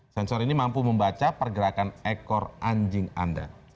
sensor ini mampu membaca pergerakan ekor anjing anda